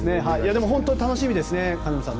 本当楽しみですね。